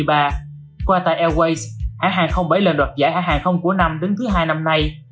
trong hai mươi ba qua tại airways hãng hàng không bảy lần đoạt giải hãng hàng không của năm đến thứ hai năm nay